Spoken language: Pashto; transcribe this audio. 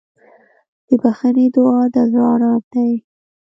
د بښنې دعا د زړه ارام دی.